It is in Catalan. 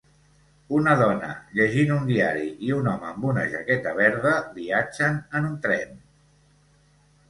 Una dona llegint un diari i un home amb una jaqueta verda viatgen en tren.